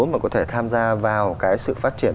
mà có thể tham gia vào cái sự phát triển